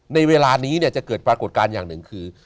ในเวลานี้จะเกิดปรากฏการณ์อย่างหนึ่งคือ